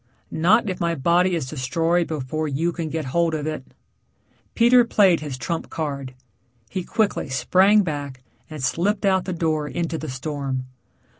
"Not if my body is destroyed before you can get hold of it." Peter played his trump card. He quickly sprang back and slipped out the door into the storm.